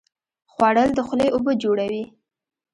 خوړل د خولې اوبه جوړوي